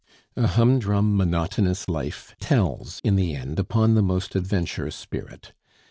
A humdrum monotonous life tells in the end upon the most adventurous spirit.